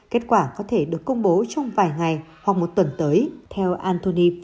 kết quả có thể được công bố trong vài ngày hoặc một tuần tới